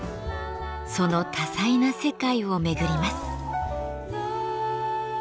その多彩な世界を巡ります。